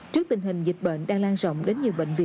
trước tình hình dịch bệnh đang lan rộng đến nhiều bệnh viện